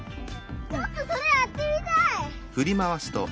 ちょっとそれやってみたい！